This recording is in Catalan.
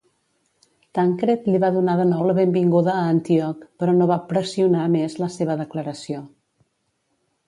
Tancred li va donar de nou la benvinguda a Antioch, però no va pressionar més la seva declaració.